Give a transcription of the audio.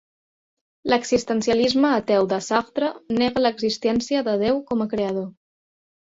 L'existencialisme ateu de Sartre nega l'existència de Déu com a creador.